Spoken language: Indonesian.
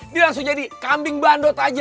ini langsung jadi kambing bandot aja